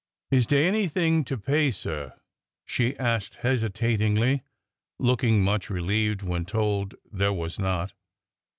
Is dey anything to pay, sir ?" she asked hesitatingly, looking much relieved when told there was not.